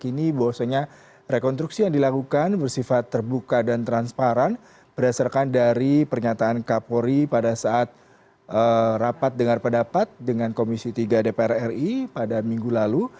ini bahwasanya rekonstruksi yang dilakukan bersifat terbuka dan transparan berdasarkan dari pernyataan kapolri pada saat rapat dengar pendapat dengan komisi tiga dpr ri pada minggu lalu